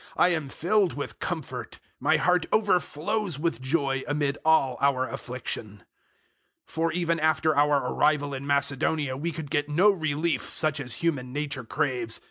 I am filled with comfort: my heart overflows with joy amid all our affliction. 007:005 For even after our arrival in Macedonia we could get no relief such as human nature craves.